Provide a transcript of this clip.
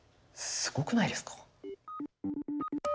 すごくないですか？